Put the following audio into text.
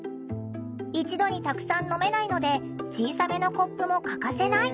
一度にたくさん飲めないので小さめのコップも欠かせない。